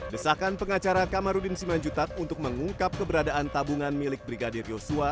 desakan pengacara kamarudin simanjutat untuk mengungkap keberadaan tabungan milik brigadir yosua